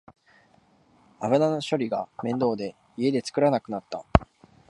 油の処理が面倒で家で作らなくなった